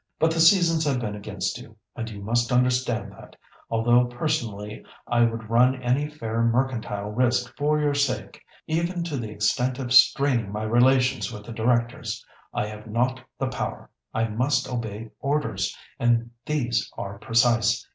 But the seasons have been against you, and you must understand that, although personally I would run any fair mercantile risk for your sake, even to the extent of straining my relations with the directors, I have not the power; I must obey orders, and these are precise.